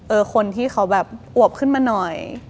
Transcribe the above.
คนที่เขาแบบอวบขึ้นมาหน่อย